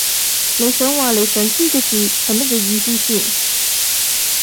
你想話你想知嘅字係乜嘢意思先